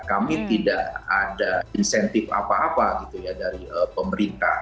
kami tidak ada insentif apa apa gitu ya dari pemerintah